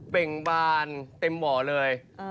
เบ่งบานเต็มบ่อเลย